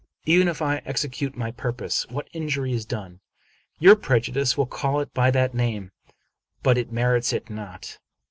Even if I execute my purpose, what injury is done? Your prejudices will call it by that name, but it merits it not.